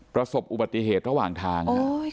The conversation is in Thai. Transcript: ประสบอุบัติเหตุระหว่างทาง